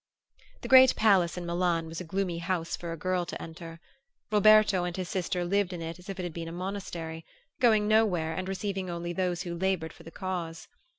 The great palace in Milan was a gloomy house for a girl to enter. Roberto and his sister lived in it as if it had been a monastery, going nowhere and receiving only those who labored for the Cause.